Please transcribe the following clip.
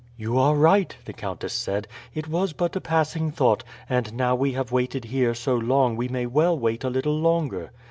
"You are right," the countess said. "It was but a passing thought, and now we have waited here so long we may well wait a little longer.